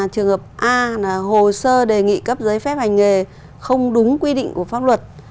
trường hợp a hồ sơ đề nghị cấp giấy phép hành nghề không đúng quy định của pháp luật